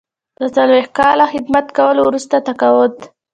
د څلویښت کاله خدمت کولو وروسته تقاعد.